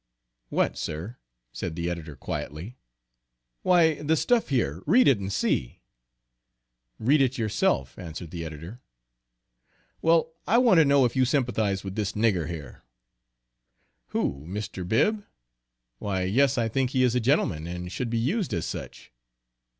"What, sir?" said the editor quietly. "Why, the stuff here, read it and see." "Read it yourself," answered the editor. "Well, I want to know if you sympathize with this nigger here." "Who, Mr. Bibb? Why yes, I think he is a gentleman, and should be used as such."